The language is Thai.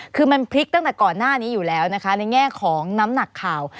คือมันพลิกตั้งแต่ก่อนหน้านี้อยู่แล้วนะคะในแง่ของน้ำหนักข่าว